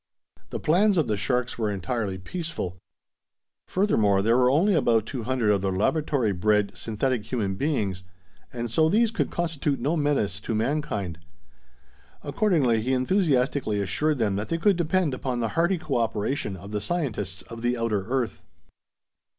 The plans of the sharks were entirely peaceful. Furthermore there were only about two hundred of their laboratory bred synthetic human beings, and so these could constitute no menace to mankind. Accordingly he enthusiastically assured them that they could depend upon the hearty cooperation of the scientists of the outer earth.